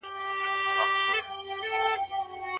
تعریف کول د زده کوونکي زړورتیا ډیروي.